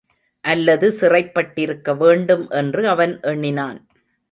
அல்லது சிறைப்பட்டிருக்க வேண்டும் என்று அவன் எண்ணினான்.